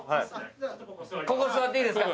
ここ座っていいですか？